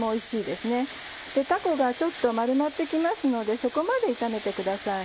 でたこがちょっと丸まって来ますのでそこまで炒めてください。